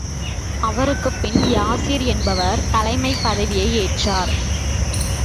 அவருக்குப் பின், யாஸிர் என்பவர் தலைமைப் பதவியை ஏற்றார்.